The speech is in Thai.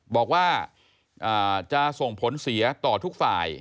บอกว่าจะส่งผลเสียต่อทุกฝ่าย